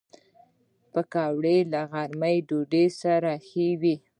پکورې له غرمې ډوډۍ سره ښه وي